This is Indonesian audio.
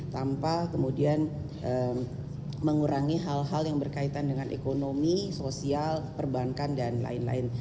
tanpa kemudian mengurangi hal hal yang berkaitan dengan ekonomi sosial perbankan dan lain lain